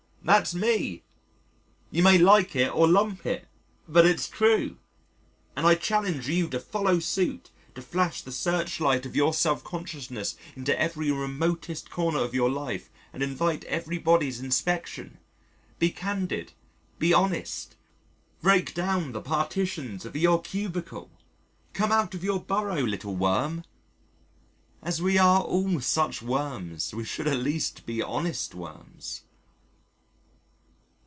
that's me! You may like it or lump it, but it's true. And I challenge you to follow suit, to flash the searchlight of your self consciousness into every remotest corner of your life and invite everybody's inspection. Be candid, be honest, break down the partitions of your cubicle, come out of your burrow, little worm." As we are all such worms we should at least be honest worms.